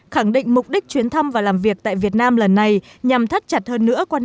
khẳng định mục đích chuyến thăm và làm việc tại việt nam lần này nhằm thắt chặt hơn nữa